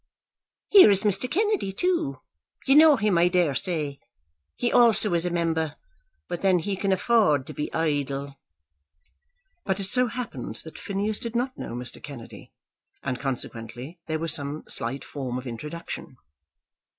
"Here is Mr. Kennedy too; you know him I daresay. He also is a member; but then he can afford to be idle." But it so happened that Phineas did not know Mr. Kennedy, and consequently there was some slight form of introduction.